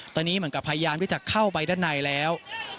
ตอนนี้เหมือนกับพยายามที่จะเข้าไปด้านในแล้ว